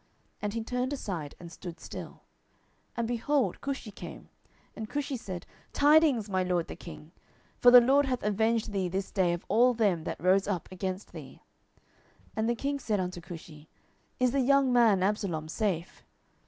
And he turned aside, and stood still. 10:018:031 And, behold, Cushi came; and Cushi said, Tidings, my lord the king: for the LORD hath avenged thee this day of all them that rose up against thee. 10:018:032 And the king said unto Cushi, Is the young man Absalom safe?